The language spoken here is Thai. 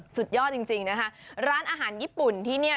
สุดยอดจริงนะคะร้านอาหารญี่ปุ่นที่เนี่ย